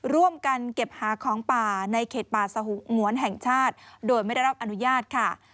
ร่วมกันเก็บหาของป่าในเขตป่าสงวนแห่งชาติโดยไม่ได้รับอนุญาตค่ะ